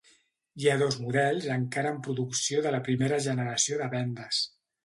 Hi ha dos models encara en producció de la primera generació de vendes.